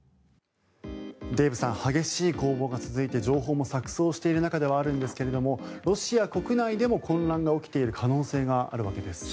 デーブさん激しい攻防が続いて情報も錯そうしている中ではあるんですがロシア国内でも混乱が起きている可能性があるわけです。